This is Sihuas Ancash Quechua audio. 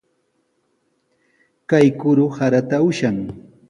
Kay kuru saraata ushan.